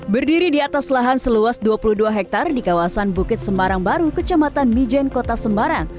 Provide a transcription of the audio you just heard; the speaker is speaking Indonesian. berdiri di atas lahan seluas dua puluh dua hektare di kawasan bukit semarang baru kecamatan mijen kota semarang